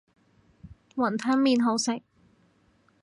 雲吞麵好食